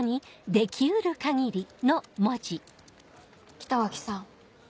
北脇さん